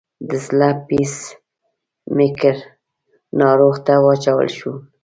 د زړه پیس میکر ناروغ ته واچول شو.